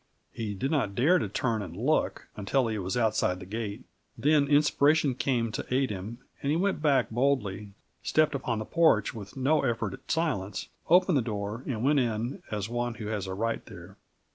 He did not dare to turn and look until he was outside the gate; then inspiration came to aid him and he went back boldly, stepped upon the porch with no effort at silence, opened his door, and went in as one who has a right there.